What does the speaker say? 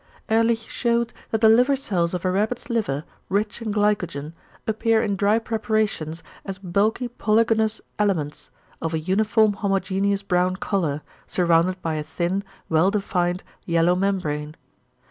Ehrlich shewed that the liver cells of a rabbit's liver, rich in glycogen, appear in dry preparations as bulky polygonous elements, of a uniform homogeneous brown colour, surrounded by a thin, well defined yellow membrane.